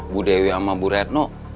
bu dewi sama bu retno